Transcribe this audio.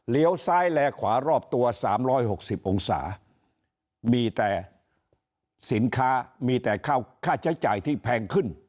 ซ้ายและขวารอบตัว๓๖๐องศามีแต่สินค้ามีแต่ค่าใช้จ่ายที่แพงขึ้น